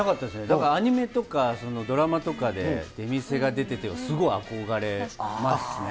だからアニメとか、ドラマとかで、出店が出ててって、すごい憧れますね。